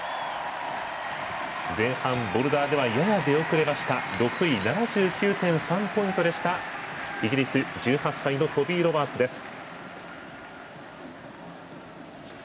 前半、ボルダーではやや出遅れました、４位７９．３ポイントでしたイギリス、１８歳のトビー・ロバーツです。